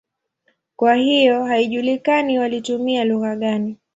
Kwa hiyo haijulikani walitumia lugha gani.